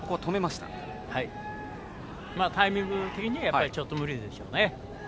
タイミング的には無理でしょうね。